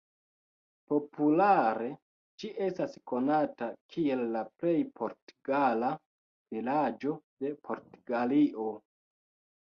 Populare ĝi estas konata kiel la""plej portugala vilaĝo de Portugalio"".